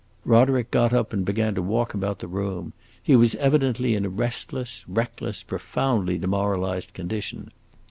Roderick got up, and began to walk about the room; he was evidently in a restless, reckless, profoundly demoralized condition.